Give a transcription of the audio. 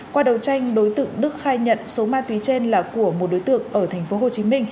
qua đầu tranh đối tượng đức khai nhận số ma túy trên là của một đối tượng ở tp hcm